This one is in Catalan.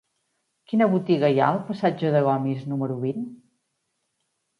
Quina botiga hi ha al passatge de Gomis número vint?